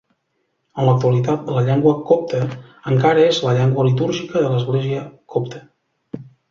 En l'actualitat, la llengua copta encara és la llengua litúrgica de l'església copta.